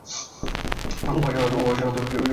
উহা সনাতন, চিরকালই থাকিবে।